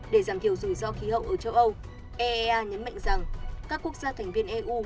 để giảm thiểu rủi ro khí hậu ở châu âu eea nhấn mạnh rằng các quốc gia thành viên eu